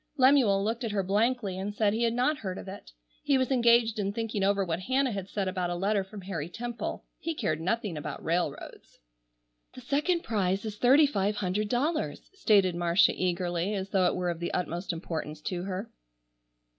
Lemuel looked at her blankly and said he had not heard of it. He was engaged in thinking over what Hannah had said about a letter from Harry Temple. He cared nothing about railroads. "The second prize is thirty five hundred dollars," stated Marcia eagerly, as though it were of the utmost importance to her.